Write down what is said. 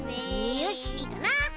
よしいいかな？